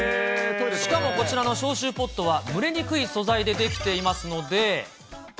しかもこちらの消臭ポットは蒸れにくい素材で出来ていますので。